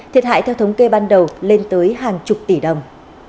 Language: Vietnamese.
thiệt hại theo thống kê ban đầu lên tới hàng chục tỷ đồng